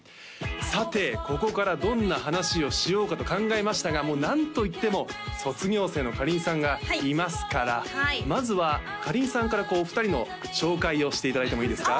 さてここからどんな話をしようかと考えましたがもう何といっても卒業生のかりんさんがいますからまずはかりんさんからこう２人の紹介をしていただいてもいいですか？